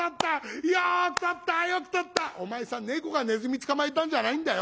「お前さん猫がネズミ捕まえたんじゃないんだよ。